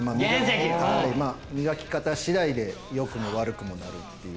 磨き方しだいで良くも悪くもなるっていう。